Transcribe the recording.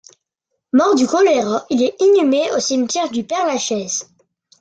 Mort du choléra, il est inhumé au cimetière du Père-Lachaise.